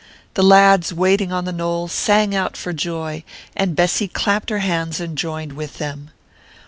The lads waiting on the knoll sang out for joy, and Bessy clapped her hands and joined with them.